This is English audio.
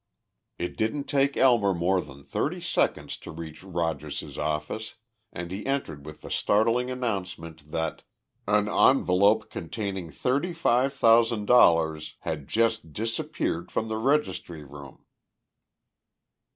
It didn't take Elmer more than thirty seconds to reach Rogers's office, and he entered with the startling announcement that "an envelope containing thirty five thousand dollars had just disappeared from the registry room."